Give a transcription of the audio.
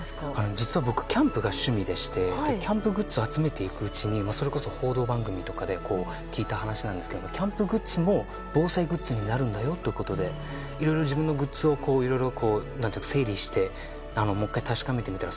実は僕、キャンプが趣味でしてキャンプグッズを集めていくうちにそれこそ報道番組とかで聞いた話なんですけどキャンプグッズも防災グッズになるんだよということでいろいろ自分のグッズをいろいろ整理してもう１回確かめてみたり。